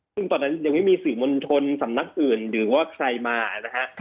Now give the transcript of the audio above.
ซึ่งตอนนั้นยังไม่มีสื่อมวลชนสำนักอื่นหรือว่าใครมานะฮะ